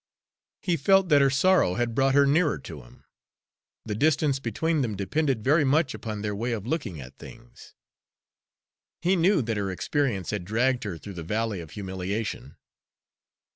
He felt that her sorrow had brought her nearer to him. The distance between them depended very much upon their way of looking at things. He knew that her experience had dragged her through the valley of humiliation.